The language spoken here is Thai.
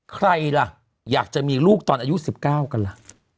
ใครล่ะอยากจะมีลูกตอนอายุ๑๙กันล่ะ